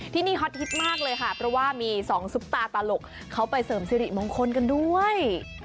ที่นี่ฮอตฮิตมากเลยค่ะเพราะว่ามีสองซุปตาตลกเขาไปเสริมสิริมงคลกันด้วย